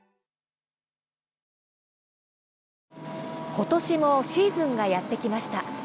今年もシーズンがやってきました。